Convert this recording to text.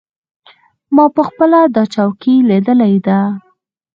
ما پخپله دا چوکۍ لیدلې ده.